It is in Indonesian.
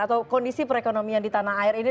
atau kondisi perekonomian di tanah air ini